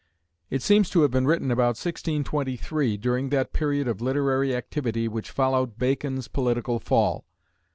It seems to have been written about 1623, during that period of literary activity which followed Bacon's political fall.